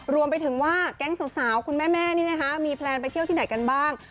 รวมไปถึงว่าแก๊งสาวคุณแม่นี่นะคะมีแพลนไปเที่ยวที่ไหนกันบ้าง